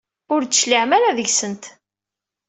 Ur d-tecliɛem ara seg-sent.